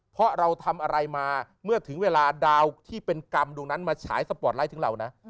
เพราะเราทำอะไรมาเมื่อถึงเวลาดาวที่เป็นกรรมดวงนั้นมาฉายสปอร์ตไลท์ถึงเรานะ